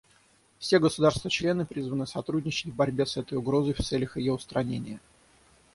Все государства-члены призваны сотрудничать в борьбе с этой угрозой в целях ее устранения.